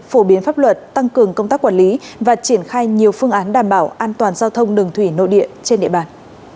phổ biến pháp luật tăng cường công tác quản lý và triển khai nhiều phương án đảm bảo an toàn giao thông đường thủy nội địa trên địa bàn